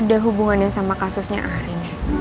itu ada hubungannya sama kasusnya arin ya